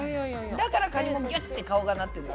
だからカニもギュッて顔がなってんだ。